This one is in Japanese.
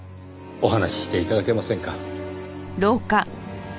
お話しして頂けませんか。